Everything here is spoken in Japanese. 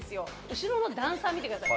後ろのダンサー見てください